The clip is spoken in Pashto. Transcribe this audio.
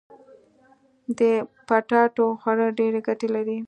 د پټاټو خوړل ډيري ګټي لري.